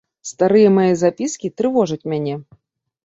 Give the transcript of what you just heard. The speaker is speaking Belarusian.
Старыя мае запіскі трывожаць мяне.